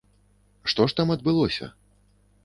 Што ж там адбылося?